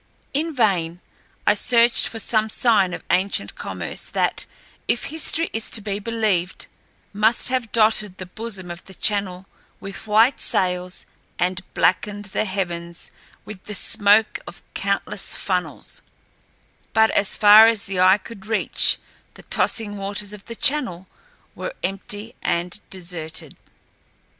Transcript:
In vain, I searched for some sign of ancient commerce that, if history is to be believed, must have dotted the bosom of the Channel with white sails and blackened the heavens with the smoke of countless funnels, but as far as eye could reach the tossing waters of the Channel were empty and deserted.